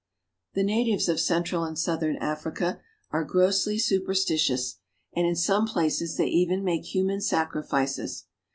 The natives of central and southern Africa are grossly superstitious, and in some places they even make human sacrifices.